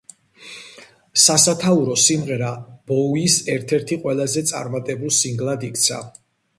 სასათაურო სიმღერა ბოუის ერთ-ერთ ყველაზე წარმატებულ სინგლად იქცა.